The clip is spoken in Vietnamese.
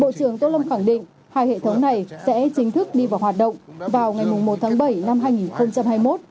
bộ trưởng tô lâm khẳng định hai hệ thống này sẽ chính thức đi vào hoạt động vào ngày một tháng bảy năm hai nghìn hai mươi một